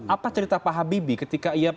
apa cerita pak habibie ketika ia